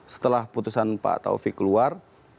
setelah putusan pak taufik keluar